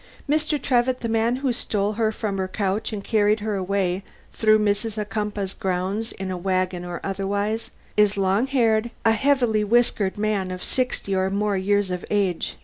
Mr. Trevitt, the man who stole her from her couch and carried her away through Mrs. Carew's grounds in a wagon or otherwise, is a long haired, heavily whiskered man of sixty or more years of age.